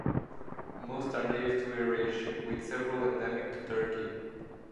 Most are native to Eurasia, with several endemic to Turkey.